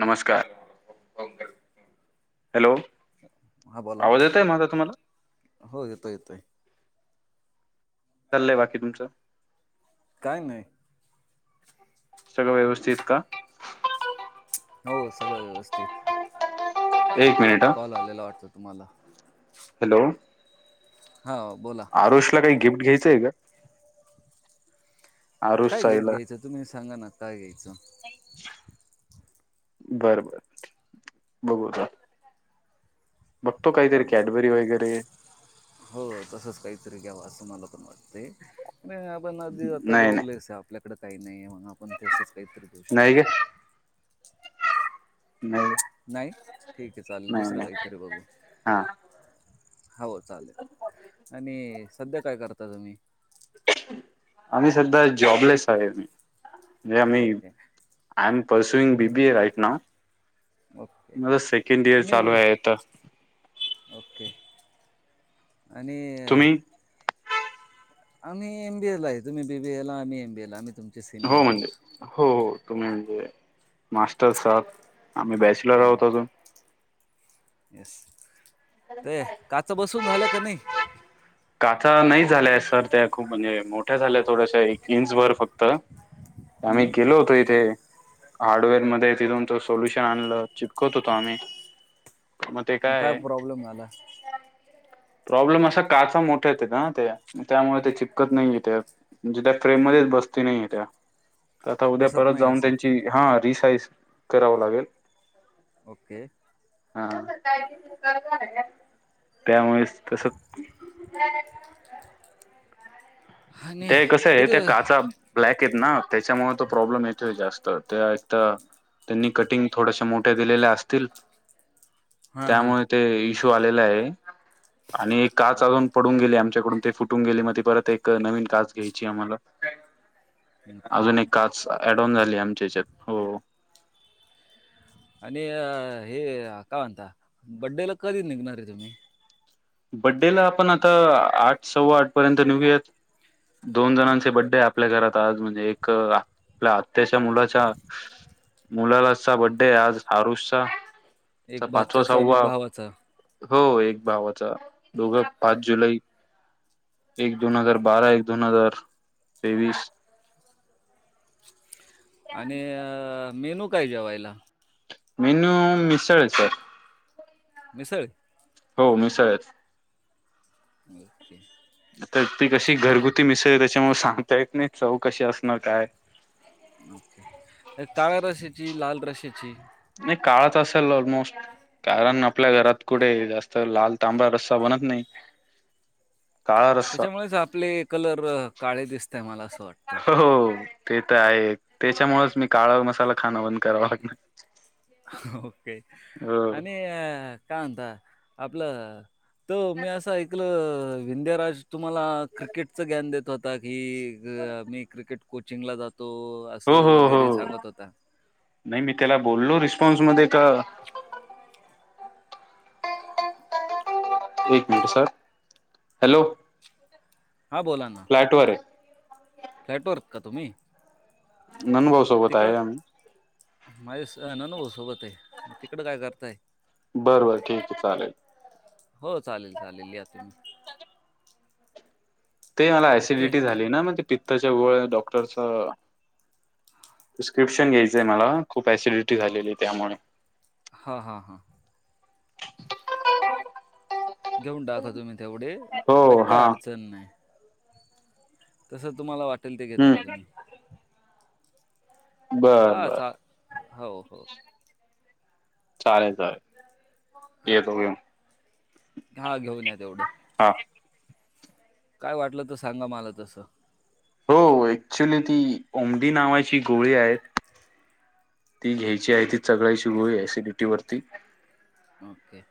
नमस्कार हॅलो हा बोला आवाज येतय माझा तुम्हाला? हो येतोय येतोय चाललंय बाकी तुमचं काय नाही, सगळं व्यवस्थित का? हो सगळं व्यवस्थित. एक मिनिट हा कॉल आलेला वाटत तुम्हाला. हॅलो. हा बोला आरुष ला काही गिफ्ट घ्यायचंय का? आरुष काय गिफ्ट साईला घ्यायचं तुम्ही सांगा ना काय घ्यायचं? [inaudible] बर-बर बघूता. बघतो काहीतरी हॅलो कॅडबरी वगैरे हो तसंच काहीतरी घ्याव असं मला पण वाटत नाही आपण आधी आता नाही जॉब नाही लयच आहे, आपल्याकडे काही नाही आहे. आपण तेसच काहीतरी घेऊ नाही ग शकतोय. [unintelligible] नाही, ठीक आहे! चालेल नाही दुसरं नाही काहीतरी बघू हा हो चालेल आणि सध्या काय करता तुम्ही. आम्ही सधा जॉबलेस आहे. [unintelligible] I okay am pursuing Bibi A right नाव. ओके माझ सेकंड इयर तुम्ही चालू आहे आथ. [inaudible] आणि आणि तुम्ही आम्ही एम. बी. ए. ला आहेत. तुम्ही बीबी एला आम्ही एम. बी. ए. ला हो म्हणजे हो-हो तुम्ही म्हणजे मास्टर साब आम्ही बॅचलर हम्म, आहतो अजुन. [inaudible] येस ते काच बसून झालं का नाही? काचा नाही झालाय सर त्या खूप म्हणजे मोठ्या झाल्या थोड्याश्या एकंस वर फक्त आम्ही हम्म गेलो होतो इथे हार्डवेअर मध्ये तिथून त सोल्युशन आणलं चिपकत होतो आम्ही मग काय प्रॉब्लेम झाला? प्रॉब्लेम असा काचा मोठा येत ना ते त्यामुळे ते चपकत नाही येते म्हणजे त्या फ्रेम मध्येच बसती नाही त्या. आता उद्या बसत परत नाही जाऊन असं त्यांची हा रिसाईज कराव लागेल. ओके, [inaudible] त्यामुळे तस. [unintelligible] आणि ते कसं आहे किती त्या काचा ब्लॅक ना त्याच्यामुळे तो प्रॉब्लेम येतोय जास्त ते एक त्यांनी कटिंग थोड्याश मोठ्या दिलेल्या असतील [inaudible] हां हां त्यामुळे ते इशू आलेला आहे. आणि एक काच अजून ओके पडून गेली च्याकडून ते फुटून गेले म परत एक नवीन कास घ्यायची आम्हाला. ओके अजून एक काच अडऑन झाली आमच्या याच्यात हो, मी हे काय म्हणता बड्डेला कधी निघणार रे तुम्ही? बड्डेला आपण आता आठ सव्वा आठ पर्यंत निघूयात. दोन जणांचे बड्डे आपल्या घरात आज म्हणजे एक आपल्या आत्याच्या मुलाच्या मुलालाचा बड्डे आज आरुसचा. एक बाच्याचा आणि एक भावाचा. हो एक भावाचा दोघं पाच जुलै एक दोन हजार बारा एक दोन हजार तेवीस [inaudible] आणि अ मेनू काय जेवायला मेनू मिसळ स मिसळ हो मिसळंच ओके तर ती कशी घरगुती मिसळ त्याच्यामु सांगता येत नाही चव कशी असणार काय काळ्या रशीची लाल रशीची नाही काळात असेल ऑलमोस्ट कारण आपल्या घरात कुठे जास्त लाल तांबड रस्सा बनत नाही काळा रस्सा त्याच्यामुळेच आपले कलर काळे दिसतय मला असं वाटतंय हो ते तर आहे त्याच्यामुळेच मी काळा मसाला खाणं बंद करावा लागणार ओके हो आणि अ कांदा आपलं त मी असं ऐकलं विंध्याराज तुम्हाला क्रिकेटच ज्ञान देत होता की मी क्रिकेट कोचिंगला जातो तो हो असं हो वगैरे हो सांगत नाही होता ॉन्स मध्ये का हॅलो हा बोला ना फ्लॅट वर आहे फ्लॅटवरत का तुम्ही ननभाऊ सोबत तिकडं आहे आम्ही [inaudible] तिकडं काय करताय? बर बर ठीक आहे चालेल हो चालेल चालेल या तुम्ही ते मला ओके. ॲसिडिटी झाली ना म्हणजे पित्त वेळ डॉक्टरच प्रिस्क्रिप्शन घ्यायचाय मला खूप ॲसिडिटी झालेली त्यामुळे हां, हां, हां. घेऊन टाकाव तुम्ही तेवढे हो बाकी हा काय अडचण नाही तसं तुम्हाला वाटेल ते घेत हम्म राहा तुम्ही बर हां बर चा हो हो चालेल चालेल येतो की हा घेऊन या तेवढं काय वाटलं त सांगा मला तस हो ऍक्चुली ती ओमडी नावाची गोळी आहेत ती घ्यायची आहे ती चगळायची गोळी ऍसिडिटी वरती ओके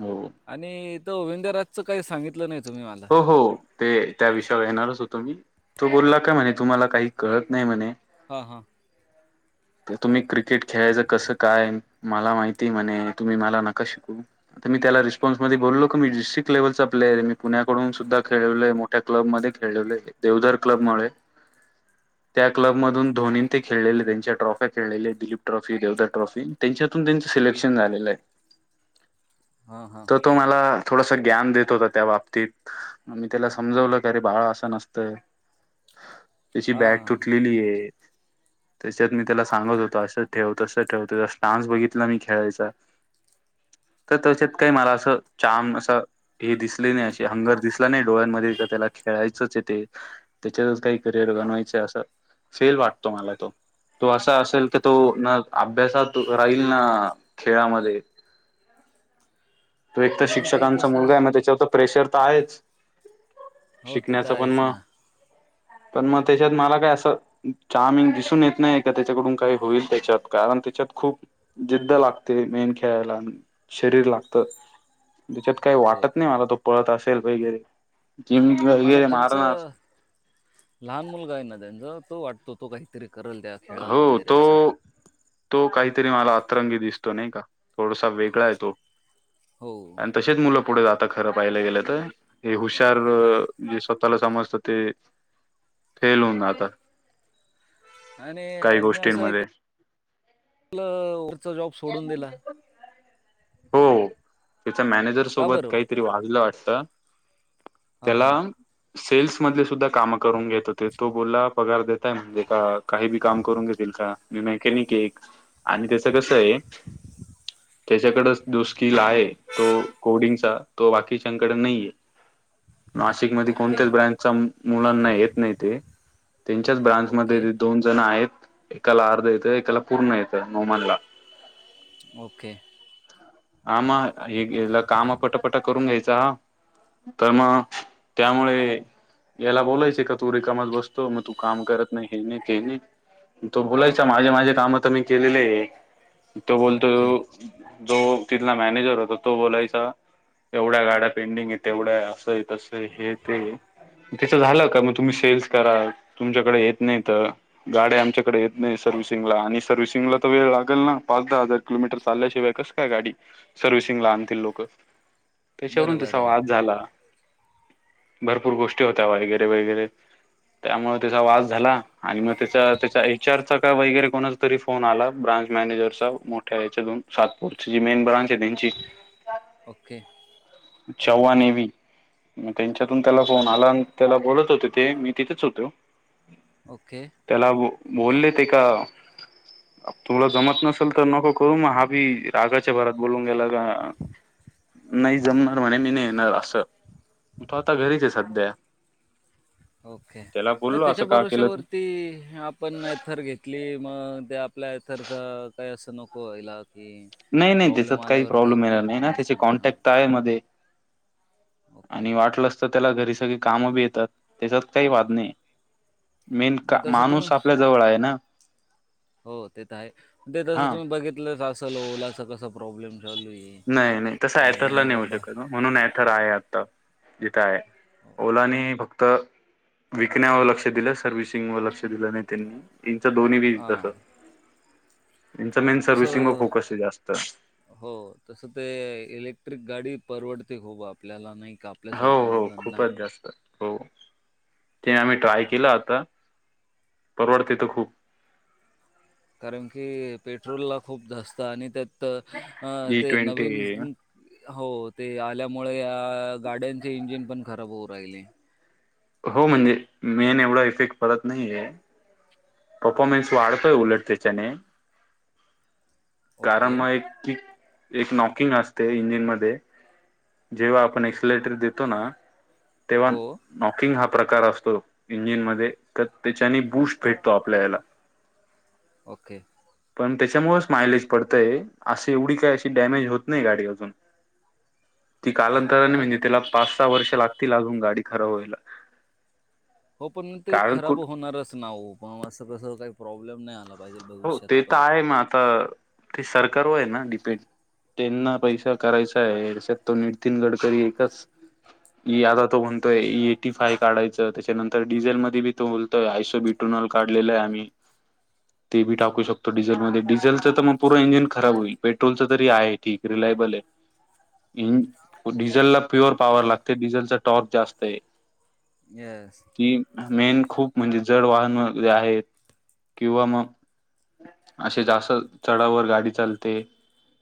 हो आणि तो विंद राजचं काही सांगितलं नाहीत हो हो ते त्या विषयावर येणारच होतो मी तो बोलला काय म्हणे तुम्हाला काही कळत नाही म्हणे हा हा तुम्ही क्रिकेट खेळायचं कसं काय मला माहिती म्हणे तुम्ही मला नका शिकवू तर मी त्याला रिस्पॉन्समध्ये बोललो की मी डिसीक लेव्हलचा प्लेयर ए मी पुण्याकडून सुद्धा खेळलोय मोठ्या क्लबमधे देवदार क्लब मुळे [inaudible] त्या क्लब मधून धोनीन ते खेळलेले त्यांच्या ट्रॉफ्या खेळलेल्या आहेत दिलीप ट्रॉफी देवदार ट्रॉफी त्यांच्यातून त्यांचं सिलेक्शन झालेलं आय हां हां तर तो मला थोडसं ग्यान देत होता त्या बाबतीत मी त्याला समजवलं की अरे बाळा असं नसतंय [inaudible] त्याची बॅट हां तुटलेली आहे त्याच्यात मी त्याला सांगत होतो असं ठेव तसं ठेवतो जस स्टान्स बघितला मी खेळायचा [inaudible] तर त्याच्यात काही मला असं छान असं हे दिसले नाही असे हंगर दिसला नाही डोळ्यांमध्ये त्याला खेळायचंच आहे ते त्याच्यातच काही करिअर बनवायचं असं फेल वाटतो मला तो तो असा असेल की तो ना अभ्यासात राहील ना खेळामध्ये [inaudible] तो एक तर नाही ते शिक्षकांचा कसं मुलगा आहे मग त्याच्यावर तर प्रेशर तर आहेच हो ते तर शिकण्याचा पण आहेच मग ना पण मग त्याच्यात मला काय असं चामंग दिसून येत नाही का त्याच्याकडून काही होईल त्याच्यात कारण त्याच्यात खूप जिद्द लागते मेन खेळायला आणि शरीर लागतं ह त्याच्यात काही वाटत नाही मला तो पळत असेल वगैरे जिम नाही मला वगैरे त्यांच मारणार लहान मुलगा आहे ना त्यांचा तो वाटतो तो काहीतरी करल त्या खेळात हो वगैरे तो असं तो काहीतरी मला अतरंगी दिसतो नाही का थोडासा वेगळा आहे तो हो आणि तसेच मुलं पुढे जाता खरं पाहिलं गेलं तर हे अ, हुशार ते तर आहे म्हणजे स्वतःला समजत ते फेल होऊन आता आणि मी असं एक वरचा जॉब सोडून दिला हो त्याचा मॅनेजर का सोबत बरं काहीतरी वाजलं वाटतं. हां त्याला हां सेल्स मधलं सुद्धा काम करून घेत होते. तो बोलला पगार देताय म्हणजे का काही बी काम करून घेतील. [unintelligible] त्याच्याकडंच जो स्किल आहे, तो कोडिंगचा तो बाकीच्याकडे नाहीये. [inaudible] नाशिकमध्ये ओके कोणत्याच ब्रँडचा मुलांना येत नाही ते त्यांच्याच ओके, ब्रांचमध्येध्ये दोन जण आहेत एकाला अर्धेत एकाला पूर्ण येतं नोमालला ओके ह म हेलं काम फटाफट करून घ्यायचा हा तर मग त्यामुळे याला बोलायचंय का तू रिकामच बसतो मग तू काम करत नाही हे नाही ते नाही तो बोलायचा माझे माझे काम तर मी केलेले आहे तो बोलतो ओके. जो तिथला मॅनेजर होता तो बोलायचा एवढ्या गाड्या पेंडिंग य तेवढ्या असंय तसं हे ते तेचं झालं का, मग तुम्ही सेल्स करा तुमच्याकडे येत नाही तर, गाड्या आमच्याकडे येत नाही. सर्व्हिसिंग ला आणि सर्व्हिसिंग ला त वेळ लागल ना दहा हजार किोमीटर चालल्याशिवाय कस काय गाडी सर्व्हि सिंग ला आणतील लोकं त्याच्यावरून बरोबर त्याचा आहे. वाद झाला. भरपूर गोष्टी होत्या वगैरे वगैरे. त्यामुळे त्याचा वाद झाला आणि मग त्याचा त्याचा विचारचा का वगैरे कोणाच तरी फोन आला ब्रांच मॅनेजरचा मोठ्या याच्यातुन सातपूरची जी मेन ब्रांच आहे त्यांची. [inaudible] ओके. जव्हान एवी त्यांच्यातून त्याला फोन आला त्याला बोलत होते ते, मी तिथेच होतो ओके, त्याला बोलले ते का तुमला जमत नसेल तर नको करू, म हाभी रागाच्या भरात बोलून गेला का नाही जमणार म्हणे मी नाय येणार असं, तो आता घरीच आहे सध्या. ओके, त्याला नाही बोललो त्याच्या असं का केलं तू भरोश्यावरती आपण थर घेत तली मग ते आपल्या इथरच काही असं नको व्हायला. की नाही नाही, त्याच्यात प्रॉब्लेम काही आल्यावरती प्रॉब्लेम येणार आपल्याला नाही ना माणूस त्याचे हां, कॉन्टॅक्ट आहे मध्येजी ओके. आणि वाटलंस तर त्याला घरी सगळी काम बी येतात, त्याचात काही वाद नाही. मेन नाही का तसं तुम्ही माणूस आपल्या जवळ आहे ना. हो ते तर हायचं. ते तसं हा तुम्ही बघितलं असल ओलाचा कसा प्रॉब्लेम चालू आहे. नाही नाही, तस ॲथर नाय होऊ ओलामुळं बा शकत ना, म्हणून ॲथर कर आहे आत जिथे हो. आहे [inaudible] फक्त विकण्यावर लक्ष दिलं सर्व्हिसिंग व लक्ष दिलं नाही त्यांनी इच दोन्ही बी तसच हां, यांच मेन सर्विसिंग वर तसं फोकस आहे जास्त हो, तसं ते इलेक्ट्रिक गाडी परवडते खुप आपल्याला नाही का? हो आपल्यासारख्या हो मुलांना. खूपच जास्त हो त आम्ही ट्राय केला आता परवडतेय तर खूप कारण की पेट्रोलला खूप जास्त आणि त्या तर अ ई ते ट्वेंटी नवीन हो ते आल्यामुळे या गाड्यांचे इंजिन पण खराब होऊ राहिले हो म्हणजे मेन एवढा इफेक्ट पडत नाही हे परफॉर्मन्स वाढतोय उलट त्याच्याने कारण ओके. मग एक की एक नॉकिंग असते इंजिन मध्ये जेव्हा आपण एक्सलेटर देतो ना तेव्हा हो. नॉकिंग हा प्रकार असतो इंजिनमध्ये तर त्याच्यानी बूश ओके, भेटतो आपल्याला ओके पण त्याच्यामुळेच माईलेज पडतय अस एवढी काय अशी डॅमेज होत नाही गाडी अजून ती कालांतराने मग म्हणजे त्याला पाच सहा वर्ष लागतील लागून गाडी खराब व्हायला हो पण ते कारण खराब कुठ होणारच ना ओ पण असं कस काही प्रॉब्लेम नाही आला पाहिजे हो भविष्यात ते तर पण. आहे मग आता ते सरकार वर हें ना डिपेंड त्यांना पैसा करायचा आहे अस तो नितीन गडकरी एकच आता तो म्हणतोय एटी फाय काढायच त्याच्यानंतर डिझेल मध्ये बी तो बोलतोय आयसो बिट्रोल काढलेला आहे आम्ही ते बी टाकू शकतो डिझलमध्ये डिझेल तर मग पुर्ण इंजिन खराब होईल पेट्रोललच तरी आहे ठीक रिलायबल आहे डिझेलला प्युअर पॉवर लागते डिझेलचा टॉर्क जास्त आहे येस. ती मेन खूप म्हणजे जड वाहन वगैरे आहेत किंवा मग असे जास्त चढावर गाडी चालते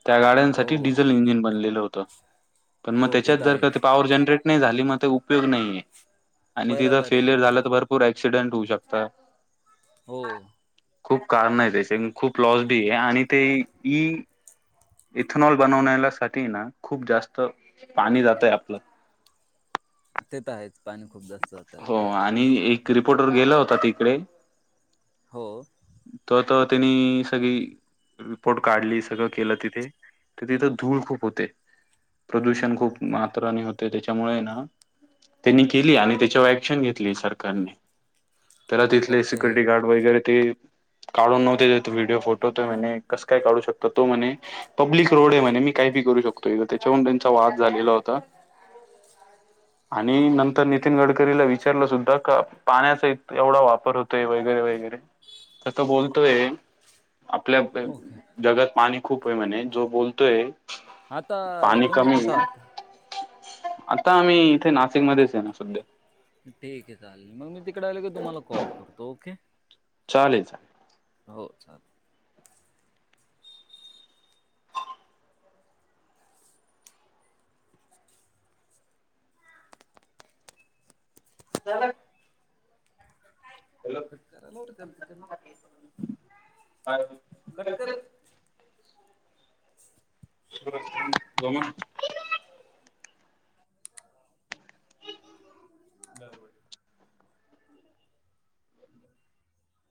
त्या हो. गाड्यांसाठी डिझेल इंजिन बनलेलं होतं पण मग हो, त्याच्यात तर जर का ते आहेच. पॉवर जनरेट नाही झाली मग ते उपयोग नाहीये आणि तिथं बरोबर आहे ते फेलियर झालं तर भरपूर ऍक्सिडेंट होऊ शकता हो खूप कारण आहे त्याचे खूप लॉस बी आहे आणि ते इई इथनॉल बनवण्या साठी ना खूप जास्त पाणी जातय आपलं ते तर आहेच पाणी खूप जास्त होत आहे आपलं रिपोर्ट वर गेला होता तिकडे हो तर तर त्यांनी सगळी रिपोर्ट काढली सगळं केलं तिथे तर तिथं धूळ खूप होते प्रदूषण खूप ओके मात्राने होते त्याच्यामुळे ना त्यांनी केली आणि त्याच्यावर ऍक्शन घेतली सरकारने तर तिथले ओके सिक्युरिटी गार्ड वगैरे ते काढून नव्हते व्हिडिओ फोटो तो म्हणे कसं काय काढू शकतो तो म्हणे पब्लिक रोड आहे म्हणे मी काही करू शकतो त्याच्या त्यांचा वाद झालेला होता. ह आणि नंतर तर नितीन गडकरीला विचारलं सुद्धा का? पाण्याचा एवढा वापर होतोय वगैरे वगैरे त तो बोलतोय. आपल्या ओके जगात पाणी खूपे म्हणे, जो बोलतोय आता पाणी तुम्ही कमी कुठ आहे आहात. आता आम्ही इथे, नाशिकमध्येध्येचे ना सध्या. ठीके चालेल मग मी तिकडे आलो की, तुम्हाला कॉल करतो ओके. चालेल चालेल. हो चालेल. झाला. कट करा मोप झाल कमी करा. हॅलो [unintelligible] सुरज गोलमा दार उघडं